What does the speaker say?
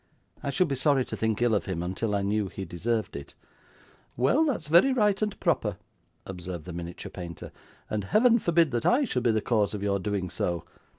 I should be sorry to think ill of him until I knew he deserved it.' 'Well; that's very right and proper,' observed the miniature painter, 'and Heaven forbid that I should be the cause of your doing so!